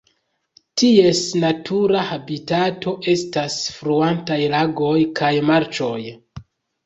Ties natura habitato estas fluantaj lagoj kaj marĉoj.